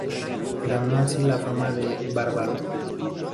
Se ganó así la fama de bárbaro.